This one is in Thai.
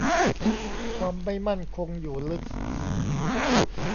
ความไม่มั่นคงอยู่ลึก